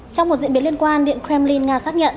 trong một diễn biến liên quan điện kremlin nga xác nhận